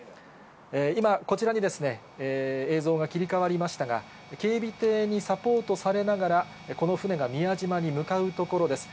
今、こちらにですね、映像が切り替わりましたが、警備艇にサポートされながら、この船が宮島に向かうところです。